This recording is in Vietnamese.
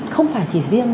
không phải chỉ riêng